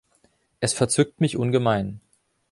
Es verzückt mich ungemein.